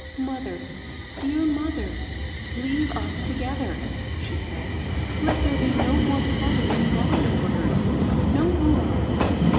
" Mother, dear mother, leave va together^^^ she said; "let there be no more parting than God orders, — no more."